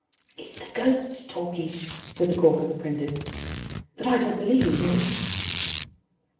"It's the ghosts talking," said the caulker's apprentice; "but I don't believe in ghosts."